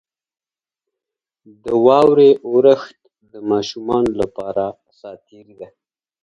• د واورې اورښت د ماشومانو لپاره ساتیري ده.